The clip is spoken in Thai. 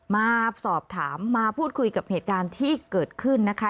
มาสอบถามมาพูดคุยกับเหตุการณ์ที่เกิดขึ้นนะคะ